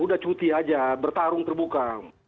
udah cuti aja bertarung terbuka